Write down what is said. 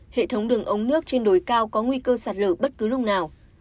hệ thống đường ống nước trên đồi cao có nguy cơ sạt lở bất cứ lúc nào